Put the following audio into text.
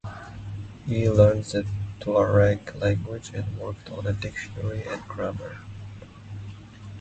He learned the Tuareg language and worked on a dictionary and grammar.